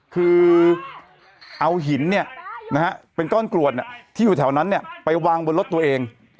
คือเอาหินเป็นก้อนกรวดที่อยู่แถวนั้นไปวางบนรถตัวเอง